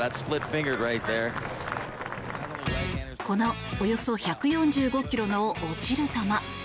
このおよそ１４５ｋｍの落ちる球。